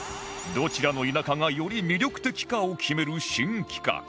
どちらの田舎がより魅力的かを決める新企画